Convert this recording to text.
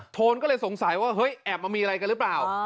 โทนก็เลยสงสัยว่าเฮ้ยแอบมามีอะไรกันหรือเปล่า